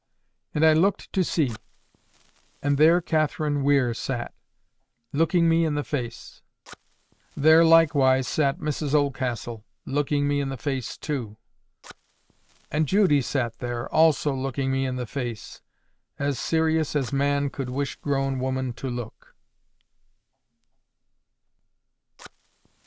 And I looked to see. And there Catherine Weir sat, looking me in the face. There likewise sat Mrs Oldcastle, looking me in the face too. And Judy sat there, also looking me in the face, as serious as man could wish grown woman to look.